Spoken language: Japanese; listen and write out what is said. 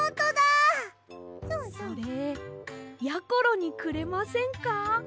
それやころにくれませんか？